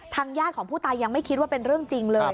ญาติของผู้ตายยังไม่คิดว่าเป็นเรื่องจริงเลย